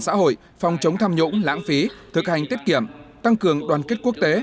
xã hội phòng chống tham nhũng lãng phí thực hành tiết kiệm tăng cường đoàn kết quốc tế